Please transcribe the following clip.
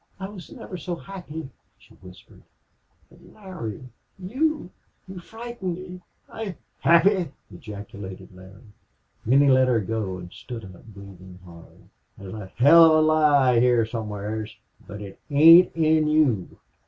"I I was never so happy," she whispered. "But Larry you you frighten me.... I " "Happy!" ejaculated Larry. Then he let her go and stood up, breathing hard. "There's a hell of a lie heah somewheres but it ain't in you."